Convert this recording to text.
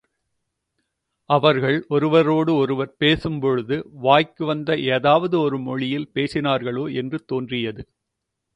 அவர்கள் ஒருவரோடொருவர் பேசும் பொழுது, வாய்க்கு வந்த எதாவது ஒரு மொழியில் பேசினார்களோ, என்று தோன்றியது.